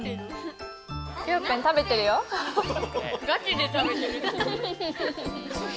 ガチでたべてる。